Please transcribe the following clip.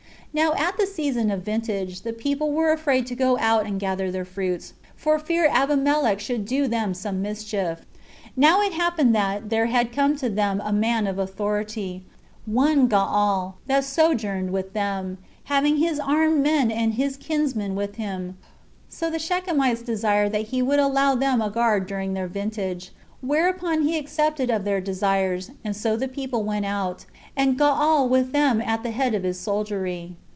Now at the season of vintage, the people were afraid to go out and gather their fruits, for fear Abimelech should do them some mischief. Now it happened that there had come to them a man of authority, one Gaal, that sojourned with them, having his armed men and his kinsmen with him; so the Shechemites desired that he would allow them a guard during their vintage; whereupon he accepted of their desires, and so the people went out, and Gaal with them at the head of his soldiery.